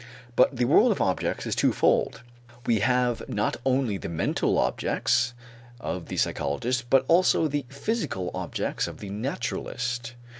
But the world of objects is twofold; we have not only the mental objects of the psychologist but also the physical objects of the naturalist.